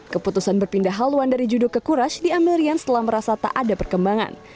keputusan berpindah haluan dari judo ke courage diambil rian setelah merasa tak ada perkembangan